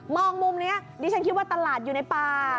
องมุมนี้ดิฉันคิดว่าตลาดอยู่ในป่า